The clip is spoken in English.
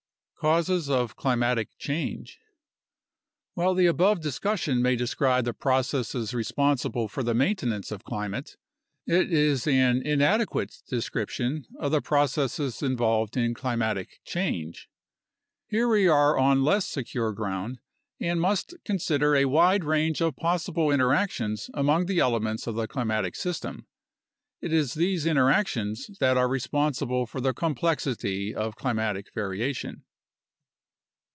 CAUSES OF CLIMATIC CHANGE While the above discussion may describe the processes responsible for the maintenance of climate, it is an inadequate description of the processes involved in climatic change. Here we are on less secure ground and must consider a wide range of possible interactions among the elements of the climatic system. It is these interactions that are responsible for the complexity of climatic variation.